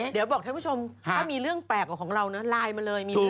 เดี๋ยวแบบบอกท่านผู้ชมถ้ามีเรื่องแปลกของเรานน่าไลน์มาเลย